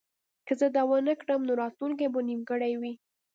که زه دا ونه کړم نو راتلونکی به نیمګړی وي